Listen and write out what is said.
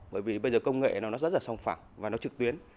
bởi vì bây giờ công nghệ nó rất là song phẳng và nó trực tuyến